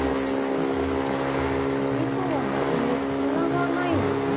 うん糸は結んでつながないんですね。